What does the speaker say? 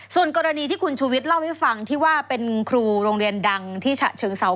ส่วนกรณีที่คุณชูวิทย์เล่าให้ฟังที่ว่าเป็นครูโรงเรียนดังที่ฉะเชิงเซา